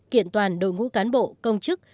kiện toàn đội ngũ cán bộ công chức